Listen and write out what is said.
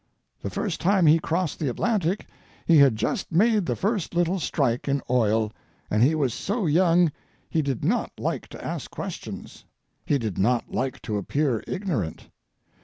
The first time he crossed the Atlantic he had just made the first little strike in oil, and he was so young he did not like to ask questions. He did not like to appear ignorant.